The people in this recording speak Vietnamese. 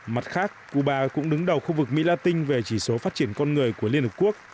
mặt khác cuba cũng đứng đầu khu vực mỹ la tinh về chỉ số phát triển con người của liên hợp quốc